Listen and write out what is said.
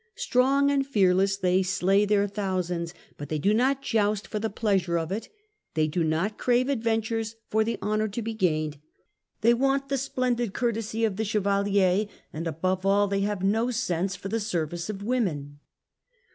Strong and fearless, they slay their thousands ; but they do not joust for the pleasure of it ; they do not crave adventures for the honour to be gained ; they want the splendid courtesy of the chevalier, and, above all, have no sense for the service of women.